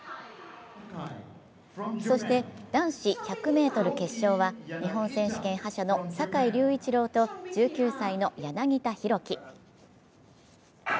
そして、男子１００ｍ決勝は日本選手権覇者の坂井隆一郎と１９歳の柳田大輝。